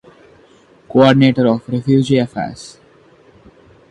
Coordinator of Refugee Affairs.